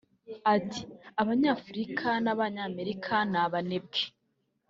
Ati” Abanyafurika b’Abanyamerika ni abanebwe